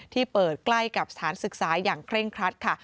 ที่เปิดใกล้กับสถานศึกษาอย่างเคร่งครัดค่ะ